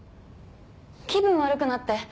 気分悪くなって。